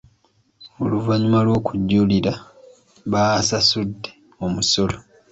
Oluvannyuma lw'okujulira baasasudde omusolo.